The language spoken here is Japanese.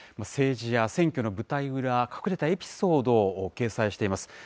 政治や選挙の舞台裏、隠れたエピソードを掲載しています。